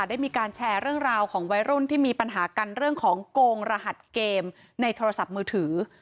ได้มีการแชร์เรื่องราวของวัยรุ่นที่มีปัญหากันเรื่องของโกงรหัสเกมในโทรศัพท์มือถือ